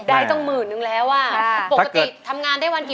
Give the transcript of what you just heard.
ได้ว่าช่วงหมื่นนึงแล้วอะ